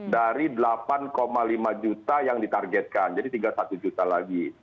dari delapan lima juta yang ditargetkan jadi tinggal satu juta lagi